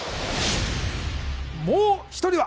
もう一人は？